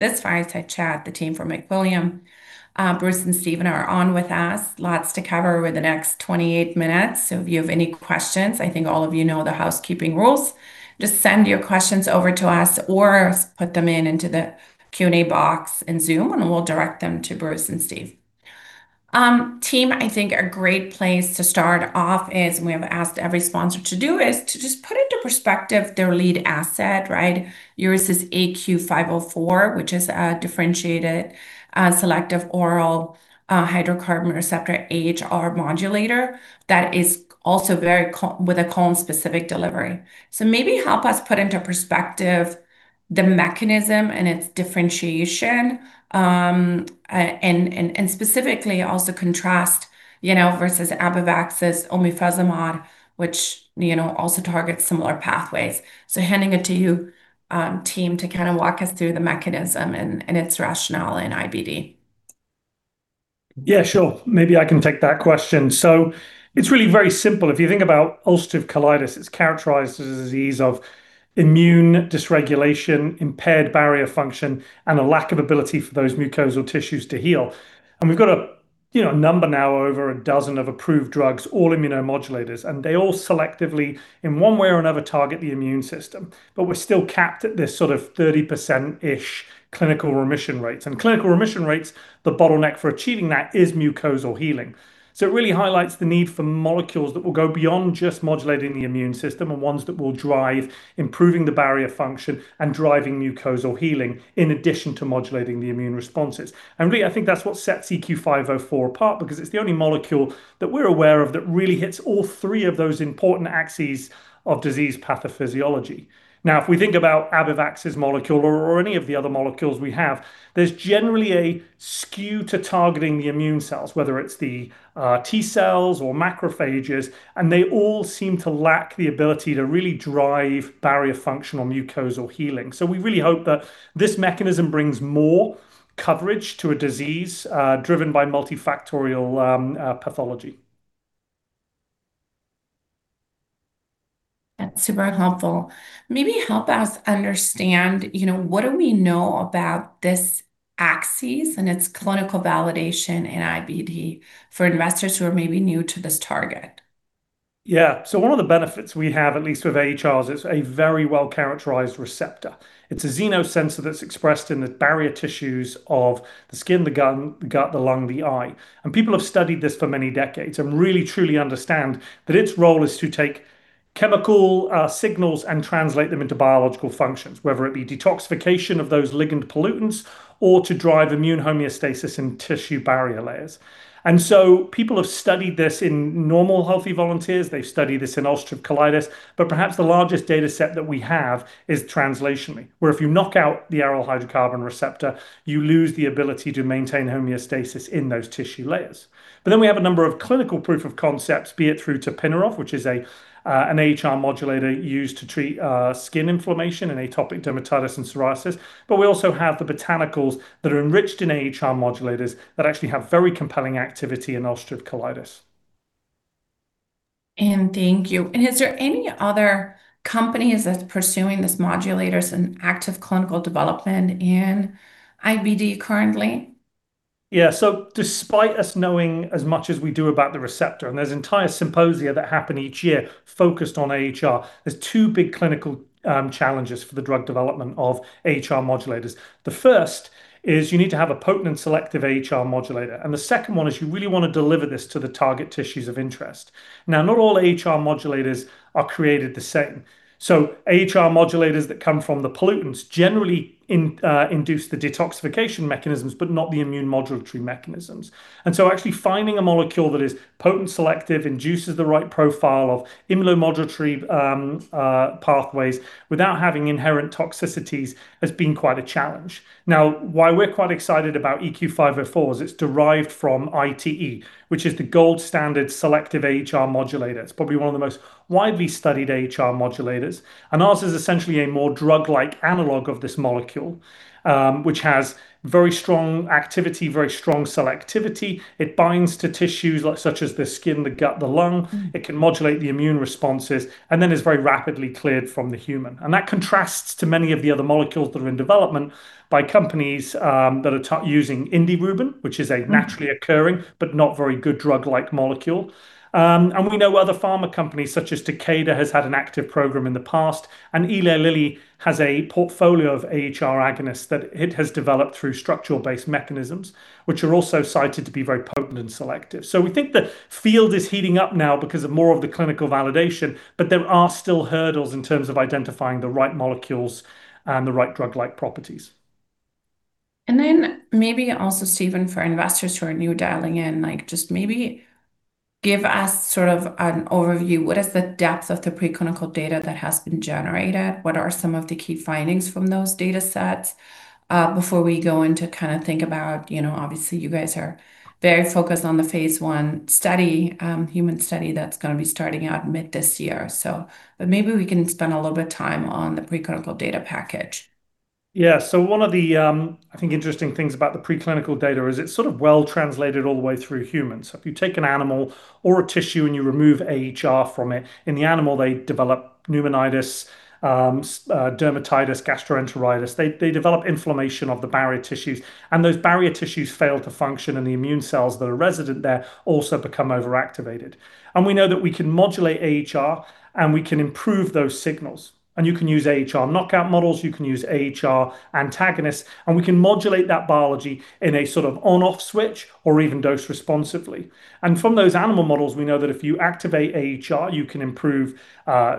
This Fireside Chat, the team from Equillium, Bruce and Stephen are on with us. Lots to cover over the next 28 minutes, so if you have any questions, I think all of you know the housekeeping rules. Just send your questions over to us, or put them into the Q&A box in Zoom, and we'll direct them to Bruce and Steve. Team, I think a great place to start off is, and we have asked every sponsor to do, is to just put into perspective their lead asset, right? Yours is EQ504, which is a differentiated, selective oral aryl hydrocarbon receptor AhR modulator, that is also very coupled with a colon-specific delivery. So maybe help us put into perspective the mechanism and its differentiation, and specifically also contrast, you know, versus Abivax's obefazimod, which, you know, also targets similar pathways. So handing it to you, team, to kind of walk us through the mechanism and, and its rationale in IBD. Yeah, sure. Maybe I can take that question. So it's really very simple. If you think about ulcerative colitis, it's characterized as a disease of immune dysregulation, impaired barrier function, and a lack of ability for those mucosal tissues to heal. And we've got a, you know, a number now, over a dozen of approved drugs, all immunomodulators, and they all selectively, in one way or another, target the immune system. But we're still capped at this sort of 30%-ish clinical remission rates. And clinical remission rates, the bottleneck for achieving that is mucosal healing. So it really highlights the need for molecules that will go beyond just modulating the immune system, and ones that will drive improving the barrier function and driving mucosal healing, in addition to modulating the immune responses. And really, I think that's what sets EQ504 apart, because it's the only molecule that we're aware of that really hits all three of those important axes of disease pathophysiology. Now, if we think about AbbVie's molecule or any of the other molecules we have, there's generally a skew to targeting the immune cells, whether it's the T cells or macrophages, and they all seem to lack the ability to really drive barrier function or mucosal healing. So we really hope that this mechanism brings more coverage to a disease driven by multifactorial pathology. That's super helpful. Maybe help us understand, you know, what do we know about this axis and its clinical validation in IBD for investors who are maybe new to this target? Yeah. So one of the benefits we have, at least with AhRs, it's a very well-characterized receptor. It's a xenosensor that's expressed in the barrier tissues of the skin, the gut, the lung, the eye. And people have studied this for many decades and really, truly understand that its role is to take chemical signals and translate them into biological functions, whether it be detoxification of those ligand pollutants or to drive immune homeostasis in tissue barrier layers. And so people have studied this in normal, healthy volunteers. They've studied this in ulcerative colitis, but perhaps the largest dataset that we have is translationally, where if you knock out the aryl hydrocarbon receptor, you lose the ability to maintain homeostasis in those tissue layers. But then we have a number of clinical proof of concepts, be it through tapinarof, which is an AhR modulator used to treat skin inflammation and atopic dermatitis and psoriasis. We also have the botanicals that are enriched in AhR modulators that actually have very compelling activity in ulcerative colitis. Thank you. Is there any other companies that's pursuing these modulators in active clinical development in IBD currently? Yeah. So despite us knowing as much as we do about the receptor, and there's entire symposia that happen each year focused on AhR, there's two big clinical challenges for the drug development of AhR modulators. The first is you need to have a potent and selective AhR modulator, and the second one is you really want to deliver this to the target tissues of interest. Now, not all AhR modulators are created the same. So AhR modulators that come from the pollutants generally induce the detoxification mechanisms, but not the immune modulatory mechanisms. And so actually finding a molecule that is potent, selective, induces the right profile of immunomodulatory pathways without having inherent toxicities, has been quite a challenge. Now, why we're quite excited about EQ504 is it's derived from ITE, which is the gold standard selective AhR modulator. It's probably one of the most widely studied AhR modulators, and ours is essentially a more drug-like analog of this molecule, which has very strong activity, very strong selectivity. It binds to tissues, like, such as the skin, the gut, the lung. It can modulate the immune responses, and then is very rapidly cleared from the human. That contrasts to many of the other molecules that are in development by companies that are using indirubin, which is a naturally occurring but not very good drug-like molecule. And we know other pharma companies, such as Takeda, has had an active program in the past, and Eli Lilly has a portfolio of AhR agonists that it has developed through structural-based mechanisms, which are also cited to be very potent and selective. We think the field is heating up now because of more of the clinical validation, but there are still hurdles in terms of identifying the right molecules and the right drug-like properties. Then maybe also, Stephen, for investors who are new dialing in, like, just maybe give us sort of an overview. What is the depth of the preclinical data that has been generated? What are some of the key findings from those datasets? Before we go into kind of think about, you know, obviously, you guys are very focused on the phase I study, human study that's gonna be starting out mid this year, so... But maybe we can spend a little bit of time on the preclinical data package. ... Yeah, so one of the, I think, interesting things about the preclinical data is it's sort of well translated all the way through humans. So if you take an animal or a tissue, and you remove AhR from it, in the animal, they develop pneumonitis, so, dermatitis, gastroenteritis. They, they develop inflammation of the barrier tissues, and those barrier tissues fail to function, and the immune cells that are resident there also become overactivated. And we know that we can modulate AhR, and we can improve those signals. And you can use AhR knockout models, you can use AhR antagonists, and we can modulate that biology in a sort of on/off switch or even dose responsively. From those animal models, we know that if you activate AhR, you can improve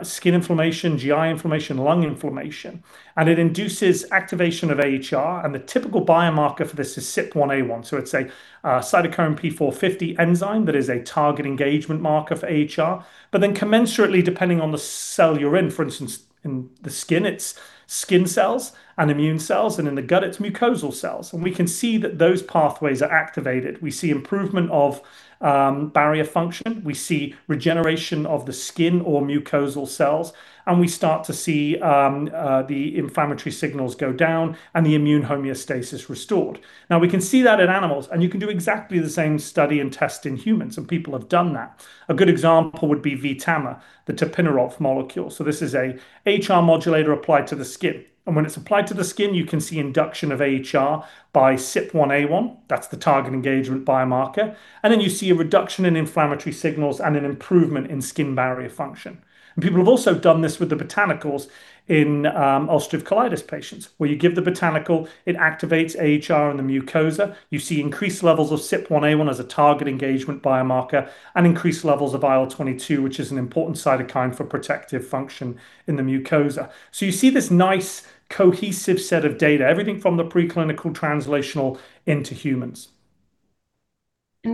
skin inflammation, GI inflammation, lung inflammation, and it induces activation of AhR, and the typical biomarker for this is CYP1A1. So it's a cytochrome P450 enzyme that is a target engagement marker for AhR. But then commensurately, depending on the cell you're in, for instance, in the skin, it's skin cells and immune cells, and in the gut, it's mucosal cells, and we can see that those pathways are activated. We see improvement of barrier function. We see regeneration of the skin or mucosal cells, and we start to see the inflammatory signals go down and the immune homeostasis restored. Now, we can see that in animals, and you can do exactly the same study and test in humans, and people have done that. A good example would be VTAMA, the tapinarof molecule. So this is an AhR modulator applied to the skin, and when it's applied to the skin, you can see induction of AhR by CYP1A1. That's the target engagement biomarker. And then you see a reduction in inflammatory signals and an improvement in skin barrier function. And people have also done this with the botanicals in ulcerative colitis patients, where you give the botanical, it activates AhR in the mucosa. You see increased levels of CYP1A1 as a target engagement biomarker, and increased levels of IL-22, which is an important cytokine for protective function in the mucosa. So you see this nice, cohesive set of data, everything from the preclinical translational into humans.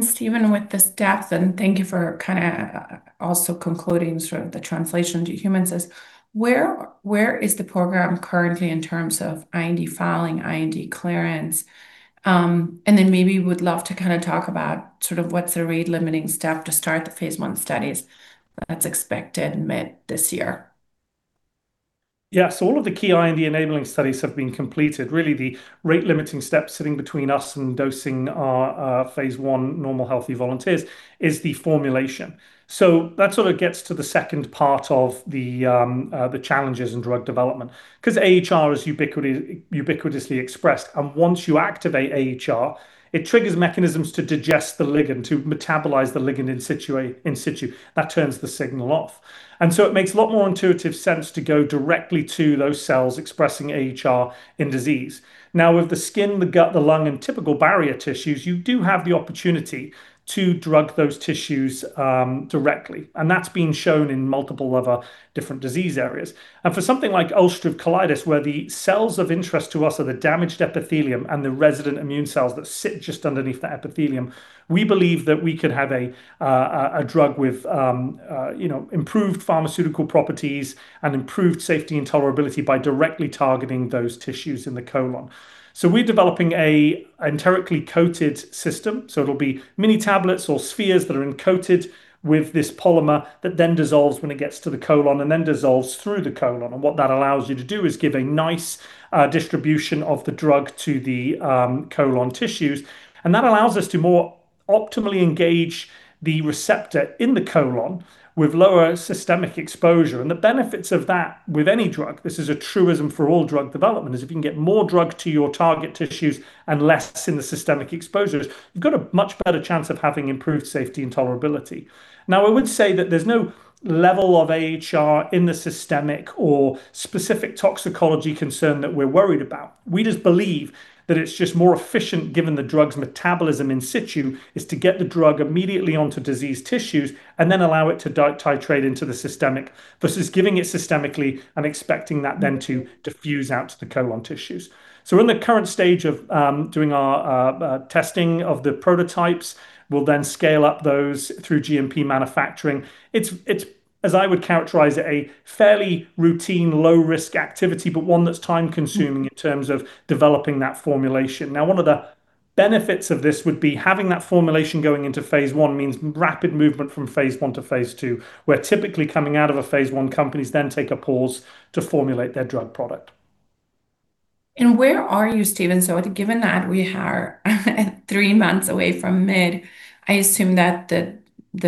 Stephen, with this depth, and thank you for kinda also concluding sort of the translation to humans is, where is the program currently in terms of IND filing, IND clearance? And then maybe would love to kind of talk about sort of what's the rate limiting step to start the phase I studies that's expected mid this year? Yeah, so all of the key IND enabling studies have been completed. Really, the rate limiting step sitting between us and dosing our phase I normal, healthy volunteers is the formulation. So that sort of gets to the second part of the challenges in drug development, 'cause AhR is ubiquitously expressed, and once you activate AhR, it triggers mechanisms to digest the ligand, to metabolize the ligand in situ. That turns the signal off, and so it makes a lot more intuitive sense to go directly to those cells expressing AhR in disease. Now, with the skin, the gut, the lung, and typical barrier tissues, you do have the opportunity to drug those tissues directly, and that's been shown in multiple other different disease areas. For something like ulcerative colitis, where the cells of interest to us are the damaged epithelium and the resident immune cells that sit just underneath that epithelium, we believe that we could have a drug with, you know, improved pharmaceutical properties and improved safety and tolerability by directly targeting those tissues in the colon. So we're developing an enterically coated system, so it'll be mini tablets or spheres that are then coated with this polymer that then dissolves when it gets to the colon and then dissolves through the colon. What that allows you to do is give a nice distribution of the drug to the colon tissues, and that allows us to more optimally engage the receptor in the colon with lower systemic exposure. The benefits of that with any drug, this is a truism for all drug development, is if you can get more drug to your target tissues and less in the systemic exposures, you've got a much better chance of having improved safety and tolerability. Now, I would say that there's no level of AhR in the systemic or specific toxicology concern that we're worried about. We just believe that it's just more efficient, given the drug's metabolism in situ, is to get the drug immediately onto diseased tissues and then allow it to titrate into the systemic, versus giving it systemically and expecting that then to diffuse out to the colon tissues. So we're in the current stage of doing our testing of the prototypes. We'll then scale up those through GMP manufacturing. It's, as I would characterize it, a fairly routine, low-risk activity, but one that's time-consuming in terms of developing that formulation. Now, one of the benefits of this would be having that formulation going into phase I means rapid movement from phase I to phase II, where typically coming out of a phase I, companies then take a pause to formulate their drug product. Where are you, Stephen? Given that we are three months away from mid, I assume that the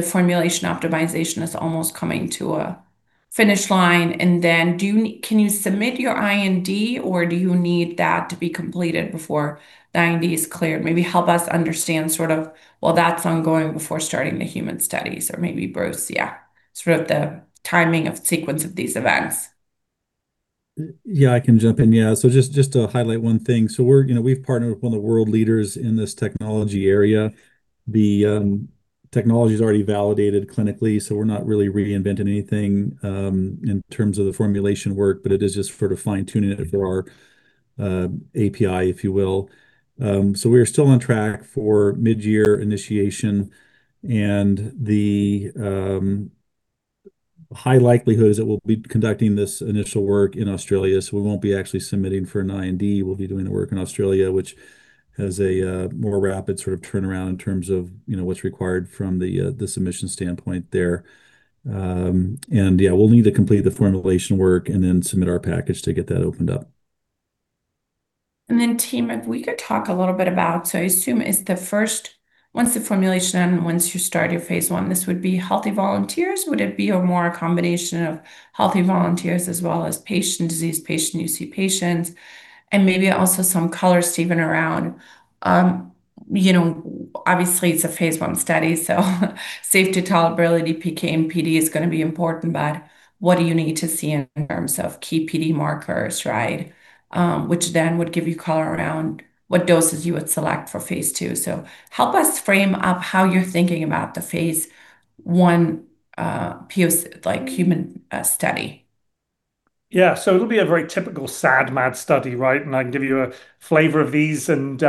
formulation optimization is almost coming to a finish line. Then, do you, can you submit your IND, or do you need that to be completed before the IND is cleared? Maybe help us understand sort of, well, that's ongoing before starting the human studies or maybe both. Yeah, sort of the timing of sequence of these events. Yeah, I can jump in. Yeah, so just to highlight one thing. So we're, you know, we've partnered with one of the world leaders in this technology area. The technology is already validated clinically, so we're not really reinventing anything in terms of the formulation work, but it is just for to fine-tune it for our API, if you will. So we are still on track for mid-year initiation, and the high likelihood is that we'll be conducting this initial work in Australia, so we won't be actually submitting for an IND. We'll be doing the work in Australia, which has a more rapid sort of turnaround in terms of, you know, what's required from the submission standpoint there. And yeah, we'll need to complete the formulation work and then submit our package to get that opened up.... And then team, if we could talk a little bit about, so I assume it's the first, once the formulation and once you start your phase I, this would be healthy volunteers? Would it be a more combination of healthy volunteers as well as patient, disease patient, UC patients, and maybe also some color, Stephen, around, you know, obviously it's a phase I study, so safety, tolerability, PK, and PD is going to be important, but what do you need to see in terms of key PD markers, right? Which then would give you color around what doses you would select for phase II. So help us frame up how you're thinking about the phase I POC, like human study. Yeah, so it'll be a very typical SAD/MAD study, right? And I can give you a flavor of these, and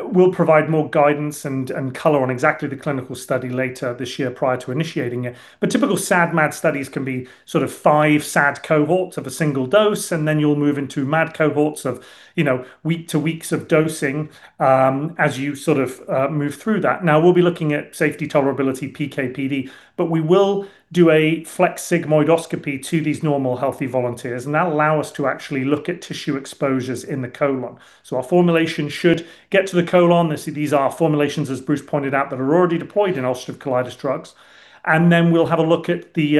we'll provide more guidance and color on exactly the clinical study later this year, prior to initiating it. But typical SAD/MAD studies can be sort of five SAD cohorts of a single dose, and then you'll move into MAD cohorts of, you know, week to weeks of dosing, as you sort of move through that. Now, we'll be looking at safety, tolerability, PK/PD, but we will do a flex sigmoidoscopy to these normal, healthy volunteers, and that'll allow us to actually look at tissue exposures in the colon. So our formulation should get to the colon. These, these are formulations, as Bruce pointed out, that are already deployed in ulcerative colitis drugs. Then we'll have a look at the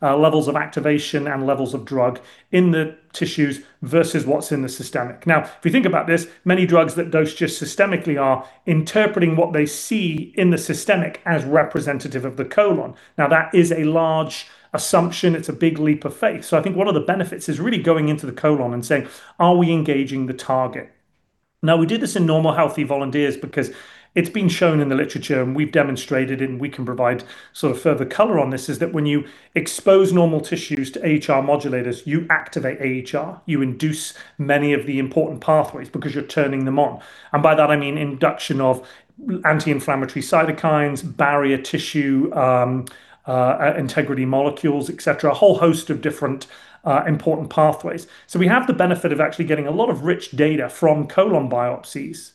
levels of activation and levels of drug in the tissues versus what's in the systemic. Now, if you think about this, many drugs that dose just systemically are interpreting what they see in the systemic as representative of the colon. Now, that is a large assumption. It's a big leap of faith. So I think one of the benefits is really going into the colon and saying: Are we engaging the target? Now, we did this in normal, healthy volunteers because it's been shown in the literature, and we've demonstrated, and we can provide sort of further color on this, is that when you expose normal tissues to AhR modulators, you activate AhR. You induce many of the important pathways because you're turning them on. And by that, I mean induction of anti-inflammatory cytokines, barrier tissue integrity molecules, et cetera, a whole host of different important pathways. So we have the benefit of actually getting a lot of rich data from colon biopsies.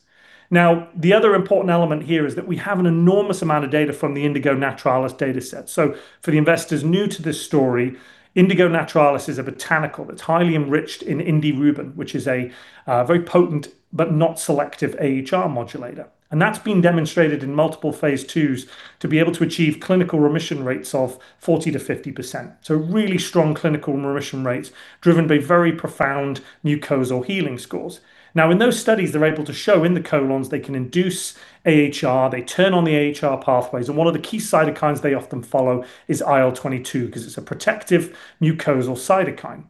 Now, the other important element here is that we have an enormous amount of data from the Indigo Naturalis data set. So for the investors new to this story, Indigo Naturalis is a botanical that's highly enriched in indirubin, which is a very potent but not selective AhR modulator, and that's been demonstrated in multiple phase IIs to be able to achieve clinical remission rates of 40%-50%. So really strong clinical remission rates, driven by very profound mucosal healing scores. Now, in those studies, they're able to show in the colons they can induce AhR, they turn on the AhR pathways, and one of the key cytokines they often follow is IL-22, because it's a protective mucosal cytokine.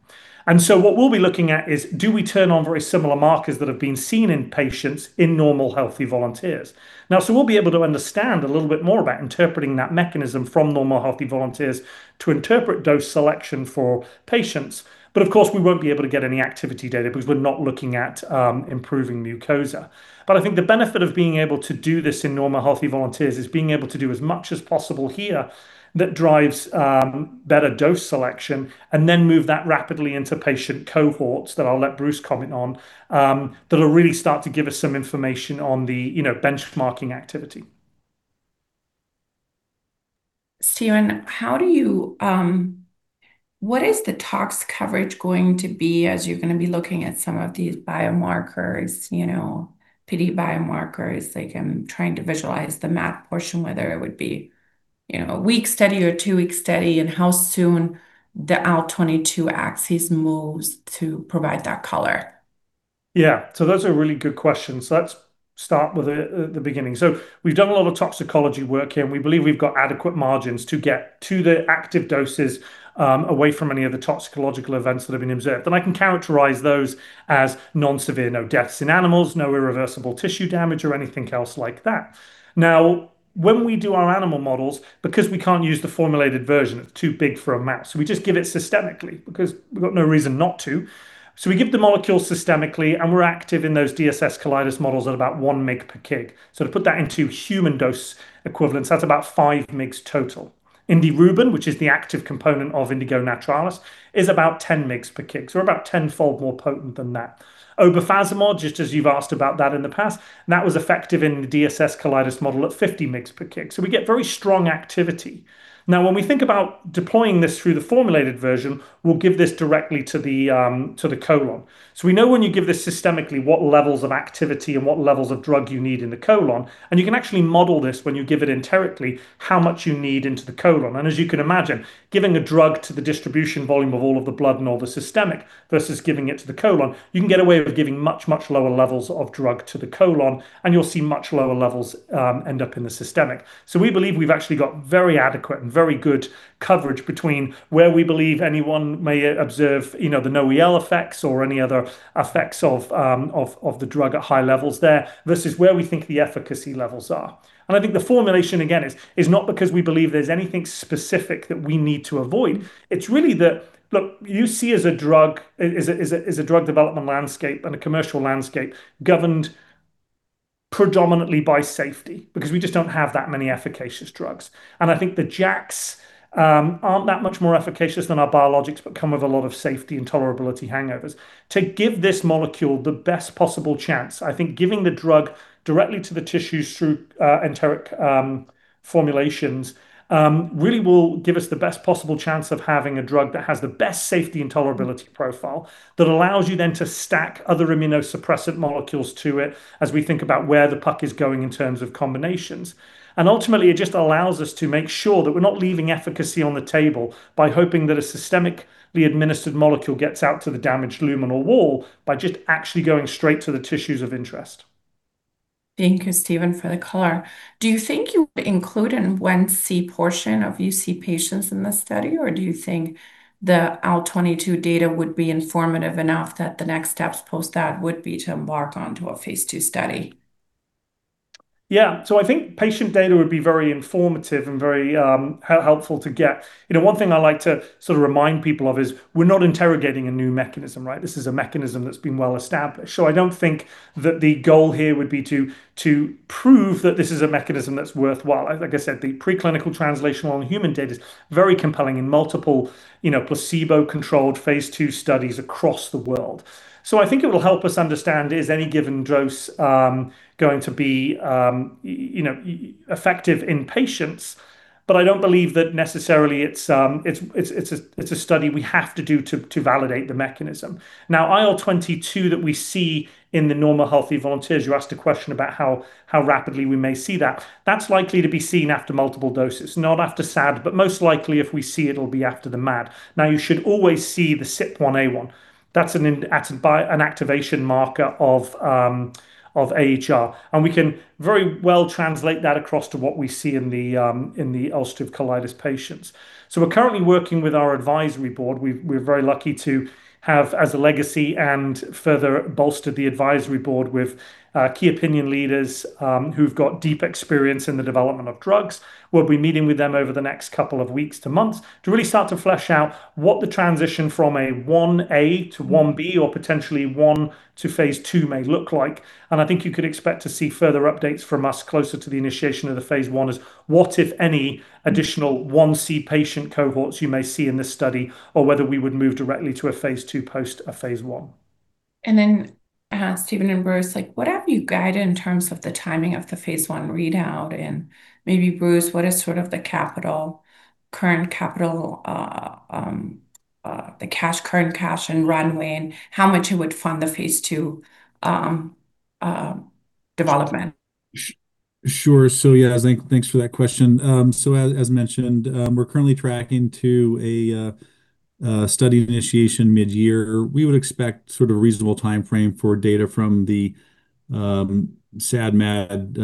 And so what we'll be looking at is, do we turn on very similar markers that have been seen in patients in normal, healthy volunteers? Now, so we'll be able to understand a little bit more about interpreting that mechanism from normal, healthy volunteers to interpret dose selection for patients. But of course, we won't be able to get any activity data because we're not looking at, improving mucosa. But I think the benefit of being able to do this in normal, healthy volunteers is being able to do as much as possible here that drives better dose selection and then move that rapidly into patient cohorts, that I'll let Bruce comment on, that'll really start to give us some information on the, you know, benchmarking activity. Stephen, how do you, What is the tox coverage going to be as you're going to be looking at some of these biomarkers, you know, PD biomarkers? Like, I'm trying to visualize the math portion, whether it would be, you know, a week study or two-week study, and how soon the IL-22 axis moves to provide that color. Yeah. So those are really good questions. So let's start with the beginning. So we've done a lot of toxicology work here, and we believe we've got adequate margins to get to the active doses, away from any of the toxicological events that have been observed. And I can characterize those as non-severe, no deaths in animals, no irreversible tissue damage or anything else like that. Now, when we do our animal models, because we can't use the formulated version, it's too big for a mouse, so we just give it systemically because we've got no reason not to. So we give the molecule systemically, and we're active in those DSS colitis models at about 1 mg per kg. So to put that into human dose equivalents, that's about 5 mg total. Indirubin, which is the active component of Indigo Naturalis, is about 10 mg per kg, so about tenfold more potent than that. Obefazimod, just as you've asked about that in the past, that was effective in the DSS colitis model at 50 mg per kg. So we get very strong activity. Now, when we think about deploying this through the formulated version, we'll give this directly to the, to the colon. So we know when you give this systemically, what levels of activity and what levels of drug you need in the colon, and you can actually model this when you give it enterically, how much you need into the colon. As you can imagine, giving a drug to the distribution volume of all of the blood and all the systemic versus giving it to the colon, you can get away with giving much, much lower levels of drug to the colon, and you'll see much lower levels end up in the systemic. So we believe we've actually got very adequate and very good coverage between where we believe anyone may observe, you know, the NOEL effects or any other effects of the drug at high levels there versus where we think the efficacy levels are. And I think the formulation, again, is not because we believe there's anything specific that we need to avoid. It's really that... Look, you see, as a drug is a drug development landscape and a commercial landscape governed-... predominantly by safety, because we just don't have that many efficacious drugs. And I think the JAKs aren't that much more efficacious than our biologics, but come with a lot of safety and tolerability hangovers. To give this molecule the best possible chance, I think giving the drug directly to the tissues through enteric formulations really will give us the best possible chance of having a drug that has the best safety and tolerability profile. That allows you then to stack other immunosuppressant molecules to it, as we think about where the puck is going in terms of combinations. And ultimately, it just allows us to make sure that we're not leaving efficacy on the table by hoping that a systemically administered molecule gets out to the damaged luminal wall, by just actually going straight to the tissues of interest. Thank you, Stephen, for the color. Do you think you would include an 1C portion of UC patients in this study, or do you think the IL-22 data would be informative enough that the next steps post that would be to embark onto a phase II study? Yeah. So I think patient data would be very informative and very helpful to get. You know, one thing I like to sort of remind people of is, we're not interrogating a new mechanism, right? This is a mechanism that's been well established. So I don't think that the goal here would be to prove that this is a mechanism that's worthwhile. Like I said, the preclinical translational and human data is very compelling in multiple placebo-controlled phase II studies across the world. So I think it will help us understand, is any given dose going to be you know, effective in patients? But I don't believe that necessarily it's a study we have to do to validate the mechanism. Now, IL-22 that we see in the normal, healthy volunteers, you asked a question about how rapidly we may see that. That's likely to be seen after multiple doses, not after SAD, but most likely, if we see it, it'll be after the MAD. Now, you should always see the CYP1A1. That's an activation marker of AhR, and we can very well translate that across to what we see in the ulcerative colitis patients. So we're currently working with our advisory board. We're very lucky to have, as a legacy and further bolstered the advisory board with key opinion leaders who've got deep experience in the development of drugs. We'll be meeting with them over the next couple of weeks to months to really start to flesh out what the transition from a 1A to 1B, or potentially I to phase II may look like. And I think you could expect to see further updates from us closer to the initiation of the phase I, is what, if any, additional 1C patient cohorts you may see in this study, or whether we would move directly to a phase II post a phase I. Then, Stephen and Bruce, like, what have you guided in terms of the timing of the phase I readout? And maybe, Bruce, what is sort of the current capital, the current cash and runway, and how much it would fund the phase II development? Sure. So yeah, thanks for that question. So as mentioned, we're currently tracking to a study initiation mid-year. We would expect sort of a reasonable timeframe for data from the SAD, MAD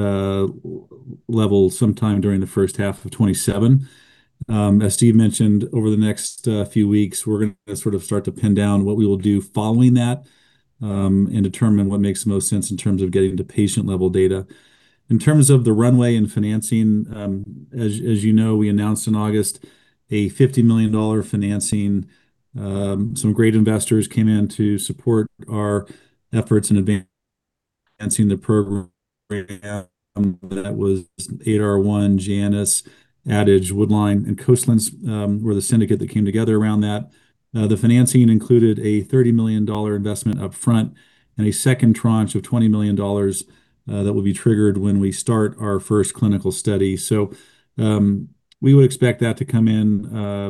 level sometime during the first half of 2027. As Steve mentioned, over the next few weeks, we're gonna sort of start to pin down what we will do following that, and determine what makes the most sense in terms of getting to patient-level data. In terms of the runway and financing, as you know, we announced in August a $50 million financing. Some great investors came in to support our efforts in advancing the program. That was Adar1, Janus, Adage, Woodline, and Coastline were the syndicate that came together around that. The financing included a $30 million investment upfront, and a second tranche of $20 million that will be triggered when we start our first clinical study. So, we would expect that to come in,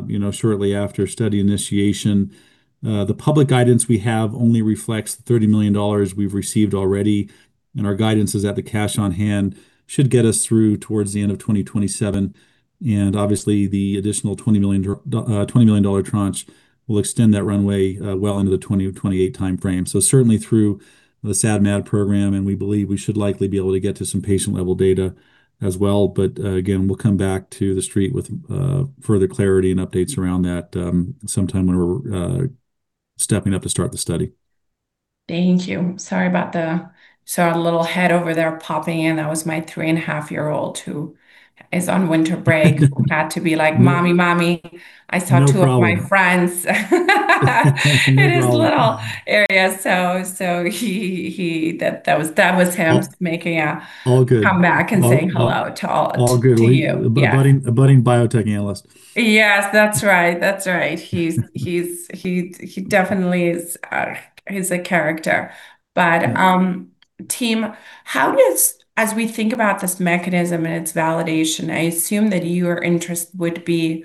you know, shortly after study initiation. The public guidance we have only reflects the $30 million we've received already, and our guidance is that the cash on hand should get us through towards the end of 2027. And obviously, the additional $20 million tranche will extend that runway, well into the 2027-2028 timeframe. So certainly, through the SAD/MAD program, and we believe we should likely be able to get to some patient-level data as well. Again, we'll come back to the street with further clarity and updates around that sometime when we're stepping up to start the study. Thank you. Sorry about the... Sorry, a little head over there popping in. That was my three-and-a-half-year-old, who is on winter break - had to be like, "Mommy, Mommy. No problem. I saw two of my friends. No problem. In his little area, so he, that was him- All good making a comeback. All good Saying hello to all of you. All good. Yeah. A budding biotech analyst. Yes, that's right. That's right. He definitely is, he's a character. Yeah. But, team, how does-- as we think about this mechanism and its validation, I assume that your interest would be--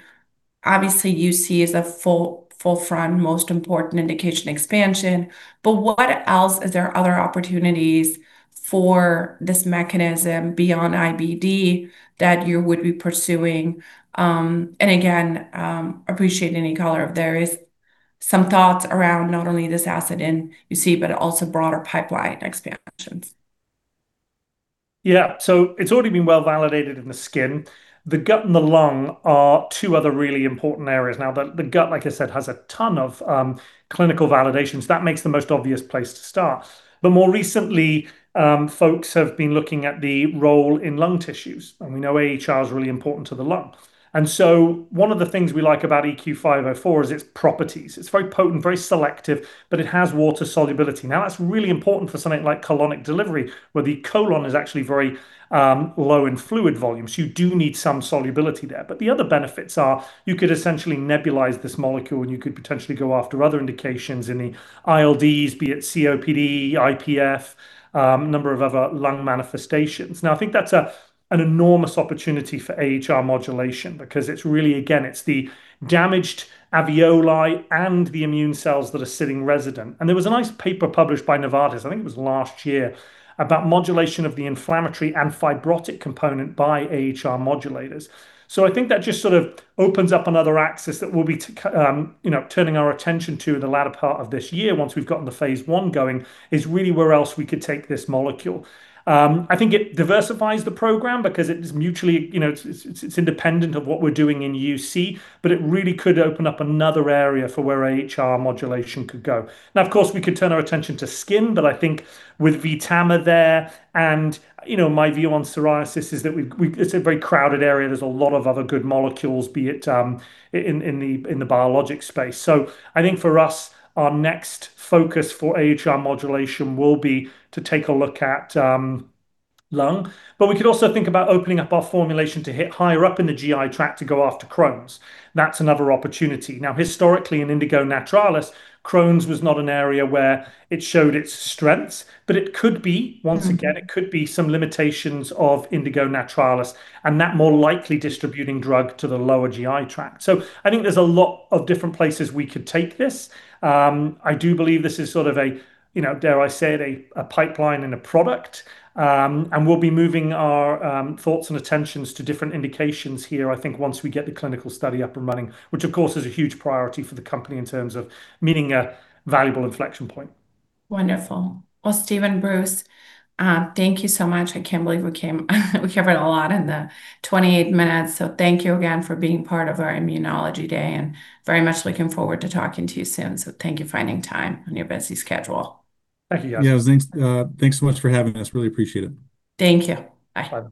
obviously, you see as a full, full-front, most important indication expansion. But what else, is there are other opportunities for this mechanism beyond IBD, that you would be pursuing? And again, appreciate any color if there is some thoughts around not only this asset in UC, but also broader pipeline expansions. ... Yeah, so it's already been well validated in the skin. The gut and the lung are two other really important areas. Now, the gut, like I said, has a ton of clinical validations. That makes the most obvious place to start. But more recently, folks have been looking at the role in lung tissues, and we know AhR is really important to the lung. And so one of the things we like about EQ504 is its properties. It's very potent, very selective, but it has water solubility. Now, that's really important for something like colonic delivery, where the colon is actually very low in fluid volume, so you do need some solubility there. But the other benefits are, you could essentially nebulize this molecule, and you could potentially go after other indications in the ILDs, be it COPD, IPF, a number of other lung manifestations. Now, I think that's an enormous opportunity for AhR modulation because it's really, again, it's the damaged alveoli and the immune cells that are sitting resident. And there was a nice paper published by Novartis, I think it was last year, about modulation of the inflammatory and fibrotic component by AhR modulators. So I think that just sort of opens up another axis that we'll, you know, turning our attention to in the latter part of this year, once we've gotten the phase I going, is really where else we could take this molecule. I think it diversifies the program because it is mutually, you know, it's independent of what we're doing in UC, but it really could open up another area for where AhR modulation could go. Now, of course, we could turn our attention to skin, but I think with VTAMA there, and, you know, my view on psoriasis is that we-- it's a very crowded area. There's a lot of other good molecules, be it in the biologic space. So I think for us, our next focus for AhR modulation will be to take a look at lung. But we could also think about opening up our formulation to hit higher up in the GI tract to go after Crohn's. That's another opportunity. Now, historically, in Indigo Naturalis, Crohn's was not an area where it showed its strengths, but it could be, once again, it could be some limitations of Indigo Naturalis, and that more likely distributing drug to the lower GI tract. So I think there's a lot of different places we could take this. I do believe this is sort of a, you know, dare I say it, a, a pipeline and a product. And we'll be moving our thoughts and attentions to different indications here, I think once we get the clinical study up and running, which of course, is a huge priority for the company in terms of meeting a valuable inflection point. Wonderful. Well, Steve and Bruce, thank you so much. I can't believe we came, we covered a lot in the 28 minutes. So thank you again for being part of our Immunology Day, and very much looking forward to talking to you soon. So thank you for finding time on your busy schedule. Thank you. Yeah, thanks, thanks so much for having us. Really appreciate it. Thank you. Bye.